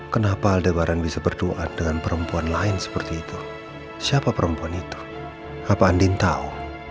kenapa lebaran bisa berdoa dengan perempuan lain seperti itu siapa perempuan itu apa andin tahu